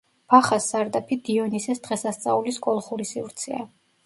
ბახას სარდაფი დიონისეს დღესასწაულის კოლხური სივრცეა.